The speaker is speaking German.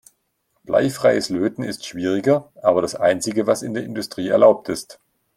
Bleifreies Löten ist schwieriger, aber das einzige, was in der Industrie erlaubt ist.